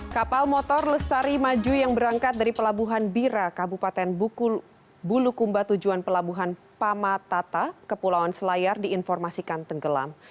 kapal motor lestari maju yang berangkat dari pelabuhan bira kabupaten bulukumba tujuan pelabuhan pamatata kepulauan selayar diinformasikan tenggelam